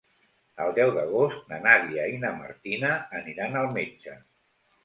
El deu d'agost na Nàdia i na Martina aniran al metge.